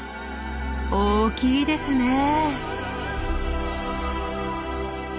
大きいですねえ！